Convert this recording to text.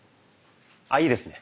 あいいですね。